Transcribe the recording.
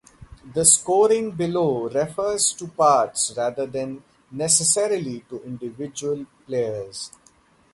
The scoring below refers to parts, rather than necessarily to individual players.